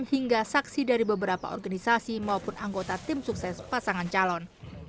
hingga saksi dari beberapa organisasi maupun anggota tim sukses pasangan calon